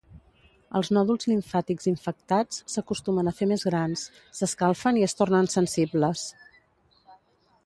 Els nòduls limfàtics infectats s'acostumen a fer més grans, s'escalfen i es tornen sensibles.